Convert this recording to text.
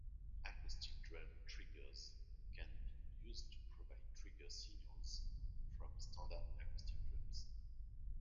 Acoustic drum triggers can be used to provide trigger signals from standard acoustic drums.